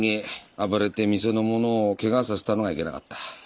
暴れて店の者を怪我させたのがいけなかった。